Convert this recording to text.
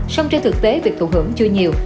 song trên thực tế việc thụ hưởng chưa nhiều